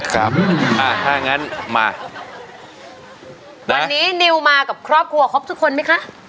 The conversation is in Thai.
ครับอ่าถ้างั้นมาวันนี้นิวมากับครอบครัวครบทุกคนไหมคะ